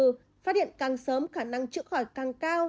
phát hiện càng sớm khả năng chữa khỏi càng cao